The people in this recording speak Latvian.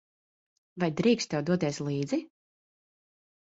Vai drīkstu tev doties līdzi?